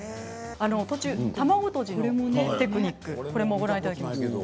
途中卵とじのテクニックこれもご覧いただきましたけどね